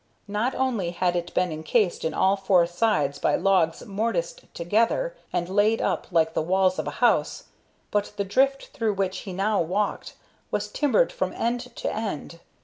Not only had it been incased on all four sides by logs mortised together and laid up like the walls of a house, but the drift through which he now walked was timbered from end to end.